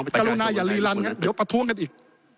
กรุณาอย่ารีลันเดี๋ยวประท้วงกันอีก